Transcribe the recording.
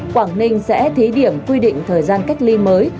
quảng ninh sẽ thí điểm quy định thời gian cách ly mới